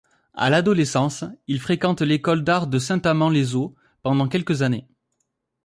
A l'adolescence, il fréquente l'école d'art de Saint-Amand-les-Eaux pendant quelques années.